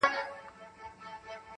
• هر نظر دي زما لپاره د فتنو دی,